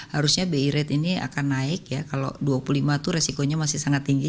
harusnya bi rate ini akan naik ya kalau dua puluh lima itu resikonya masih sangat tinggi